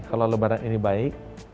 jangan kemarin ini baik